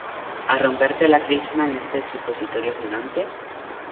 a romperte la crisma en este supositorio gigante?